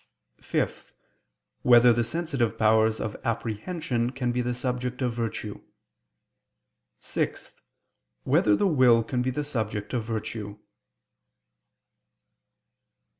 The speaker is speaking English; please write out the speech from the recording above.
(5) Whether the sensitive powers of apprehension can be the subject of virtue? (6) Whether the will can be the subject of virtue?